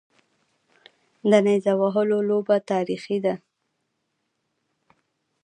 د نیزه وهلو لوبه تاریخي ده